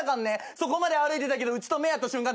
そこまで歩いてたけどうちと目合った瞬間